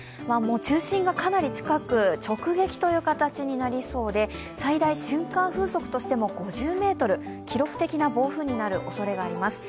中心がかなり近く、直撃という形になりそうで、最大瞬間風速として５０メートル、記録的な暴風雨になるおそれがあります。